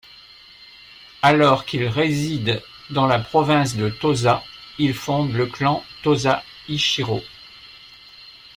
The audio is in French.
Alors qu'il réside dans la province de Tosa, il fonde le clan Tosa-Ichijō.